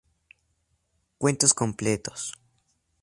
Cuentos completos.